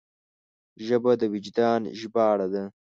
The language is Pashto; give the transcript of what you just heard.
ژبه د وجدان ژباړه ده